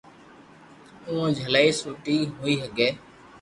اووہ جھلائي سوٽي ڪوئي ھگي